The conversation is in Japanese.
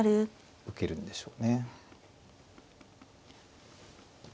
受けるんでしょうね。